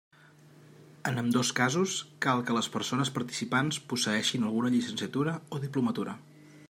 En ambdós casos cal que les persones participants posseeixin alguna llicenciatura o diplomatura.